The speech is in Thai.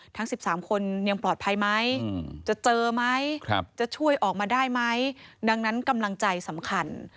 ทั้ง๑๓คนยังปลอดภัยไหมจะเจอไหมจะช่วยออกมาได้ไหมดังนั้นกำลังใจสำคัญ